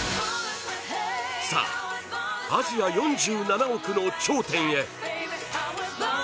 さあ、アジア４７億の頂点へ。